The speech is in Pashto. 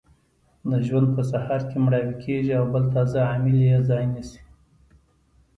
د ژوند په سهار کې مړاوې کیږي او بل تازه عامل یې ځای نیسي.